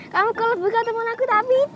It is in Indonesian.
kamu kalau buka temen aku tapi